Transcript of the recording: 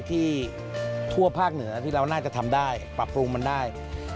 ทั่วภาคเหนือที่เราน่าจะทำได้ปรับปรุงมันได้